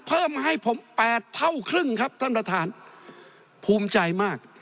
เพิ่มให้ผมแปดเท่าครึ่งครับท่านประธานภูมิใจมาก